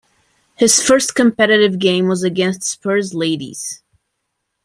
His first competitive game was against Spurs Ladies.